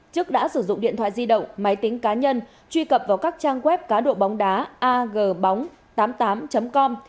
trức đã sử dụng điện thoại di động máy tính cá nhân truy cập vào các trang web cá độ bóng đá agbóng tám mươi tám com